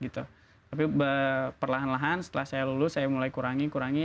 tapi perlahan lahan setelah saya lulus saya mulai kurangi kurangi